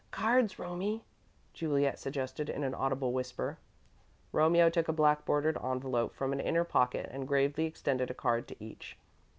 "Cards, Romie," Juliet suggested, in an audible whisper. Romeo took a black bordered envelope from an inner pocket and gravely extended a card to each.